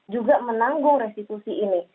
juga menanggung restitusi ini